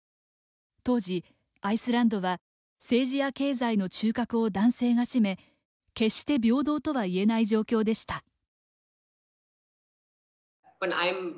当時アイスランドは政治や経済の中核を男性が占め決して平等とはいえない状況でした。